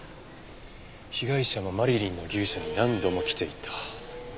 被害者はマリリンの牛舎に何度も来ていた？